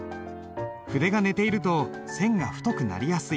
筆が寝ていると線が太くなりやすい。